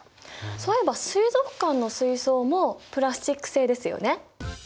そういえば水族館の水槽もプラスチック製ですよね。